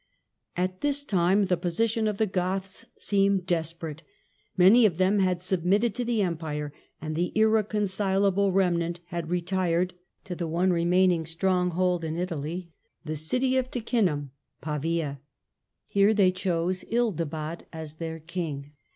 At this time the position of the Goths seemed desperate, tfany of them had submitted to the Empire, and the rreconcilable remnant had retired to the one remaining 36 THE DAWN OF MEDIAEVAL EUROPE stronghold in Italy, the city of Ticinum (Pavia). Here they chose Ildibad as their king.